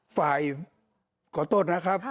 ฝ่ายขอโทษนะครับ